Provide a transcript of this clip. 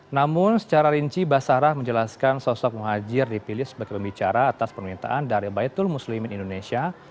namun secara rinci basarah menjelaskan sosok muhajir dipilih sebagai pembicara atas permintaan dari baitul muslimin indonesia